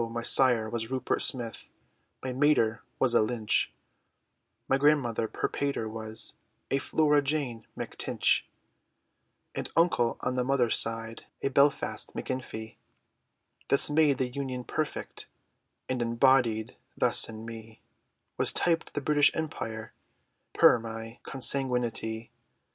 my sire was Rupert Smith, My mater was a Lynch; My grandmother per pater, was A Flora Jane Mac Tinch, An uncle, on the mother's side, A Belfast Macinfee, This made the union perfect, And embodied thus in me, Was typed the British Empire, Per my consanguinitee.